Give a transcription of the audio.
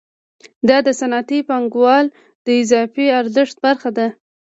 دا د صنعتي پانګوال د اضافي ارزښت برخه ده